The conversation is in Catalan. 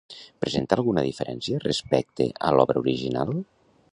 Presenta alguna diferència respecte a l'obra original?